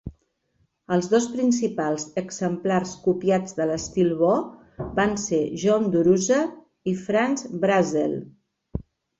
Els dos principals exemplars copiats de l'estil Bo, van ser John Dorusa i Frank Brazzell.